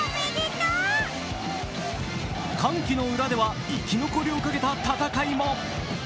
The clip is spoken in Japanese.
歓喜の裏では生き残りをかけた戦いも。